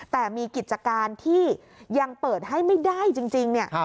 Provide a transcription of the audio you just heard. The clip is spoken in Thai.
แต่มีกิจการที่ยังเปิดให้ไม่ได้จริงเนี่ย